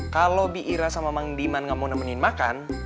kalau bi ira sama mang dimang gak mau nemenin makan